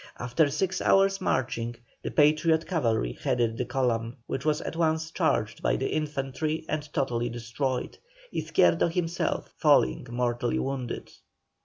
After six hours marching, the Patriot cavalry headed the column, which was at once charged by the infantry and totally destroyed, Izquierdo himself falling mortally wounded.